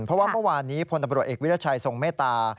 เพราะว่าเมื่อวานนี้พลตำรวจเอกวิรัชัยทรงเมตตา